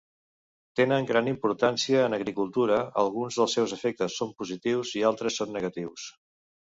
Tenen gran importància en agricultura, alguns dels seus efectes són positius i altres són negatius.